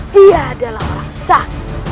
dia adalah orang saku